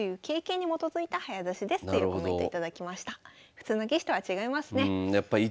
普通の棋士とは違いますね。